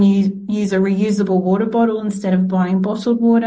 kita mencoba untuk menggunakan contingt gula air semula daripada gunakan air biasa